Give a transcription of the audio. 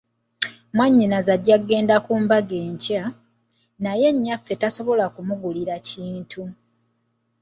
Mwannyinaze ajja kugenda ku kabaga enkya, naye nnyaffe tasobola kumugulira kintu.